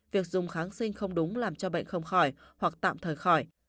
việc dùng kháng sinh không đúng làm cho bệnh không khỏi hoặc tạm thời khỏi